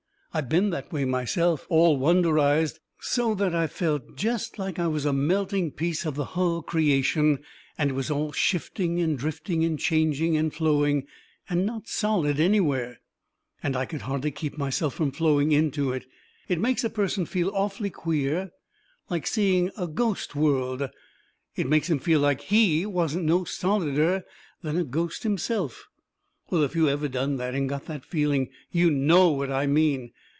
I been that way myself all wonderized, so that I felt jest like I was a melting piece of the hull creation, and it was all shifting and drifting and changing and flowing, and not solid anywhere, and I could hardly keep myself from flowing into it. It makes a person feel awful queer, like seeing a ghost would. It makes him feel like HE wasn't no solider than a ghost himself. Well, if you ever done that and got that feeling, you KNOW what I mean.